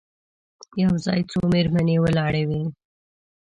یو ځای څو مېرمنې ولاړې وې.